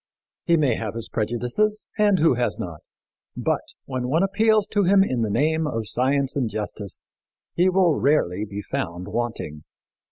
He may have his prejudices and who has not? but, when one appeals to him in the name of science and justice, he will rarely be found wanting.